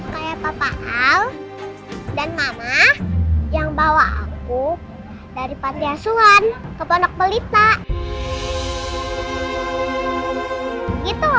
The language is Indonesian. kayak papa al dan mama yang bawa aku dari pantiasuhan ke pondok pelita